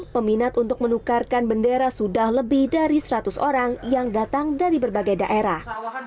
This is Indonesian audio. peminat untuk menukarkan bendera sudah lebih dari seratus orang yang datang dari berbagai daerah